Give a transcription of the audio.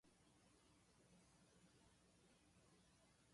本のページをめくる音だけが聞こえる。